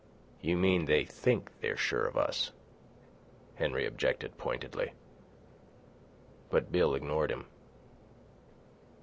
"You mean they think they're sure of us," Henry objected pointedly. But Bill ignored him.